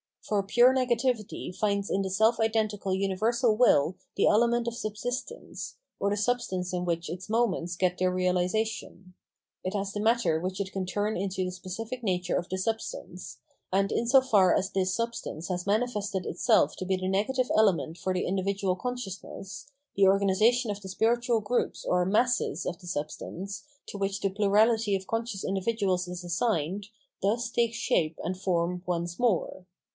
For pure negativity finds in the self identical universal will the element of sub sistence, or the substance in which its moments get their realisation ; it has the matter which it can turn into the specific nature of the substance ; and in so far as this substance has manifested itself to be the negative element for the individual consciousness, the organisation of the spiritual groups or " masses " of the substance, to which the plurality of conscious individuals is assigned, thus takes shape and form once more.